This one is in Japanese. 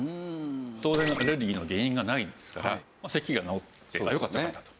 当然アレルギーの原因がないんですから咳が治ってよかったよかったと。